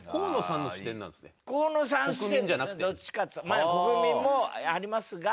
まあ国民もありますが。